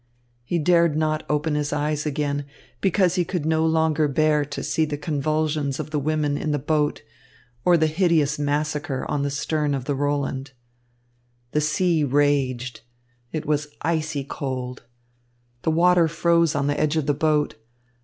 He dared not open his eyes again, because he could no longer bear to see the convulsions of the women in the boat or the hideous massacre on the stern of the Roland. The sea raged. It was icy cold. The water froze on the edge of the boat.